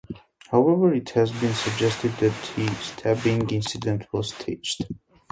However, it has been suggested that the stabbing incident was staged.